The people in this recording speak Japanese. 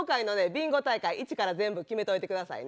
ビンゴ大会一から全部決めといてくださいね。